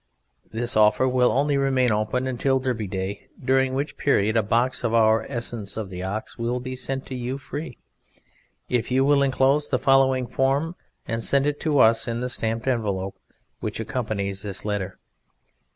This offer will only remain open until Derby Day, during which period a box of our Essence of The Ox will be sent to you Free, if you will enclose the following form, and send it to Us in the stamped envelope, which accompanies this letter.